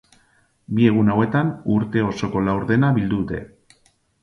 Bi egun hauetan, urte osoko laurdena bildu dute.